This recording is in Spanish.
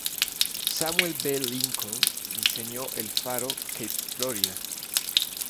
Samuel B. Lincoln diseñó el faro Cape Florida.